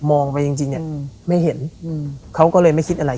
ไปจริงจริงเนี่ยไม่เห็นอืมเขาก็เลยไม่คิดอะไร